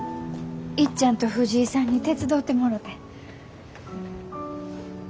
いっちゃんと藤井さんに手伝うてもろて。